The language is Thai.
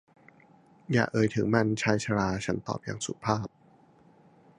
อย่าเอ่ยถึงมัน ชายชรา ฉันตอบอย่างสุภาพ